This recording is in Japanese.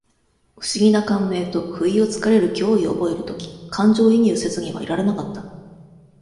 不思議な感銘と、不意を疲れる脅威を覚える時、感情移入せずにはいられなかった。